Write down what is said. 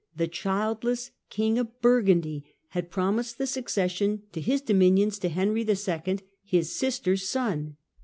the childless King of Bur gundy, had promised the succession to his dominions to Henry II., his sister's son.